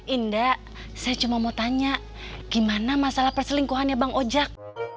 indah saya cuma mau tanya gimana masalah perselingkuhannya bang ojek